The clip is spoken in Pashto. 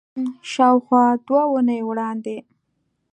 شاوخوا دوه اونۍ وړاندې